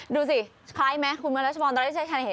ดูสิคล้ายไหมคุณเมื่อแรกชมตอนที่เจ๊ชันเห็น